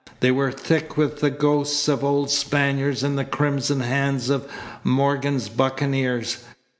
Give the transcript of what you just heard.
They were thick with the ghosts of old Spaniards and the crimson hands of Morgan's buccaneers.